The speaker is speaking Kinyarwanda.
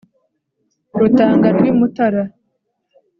Rutanga rw'i Mutara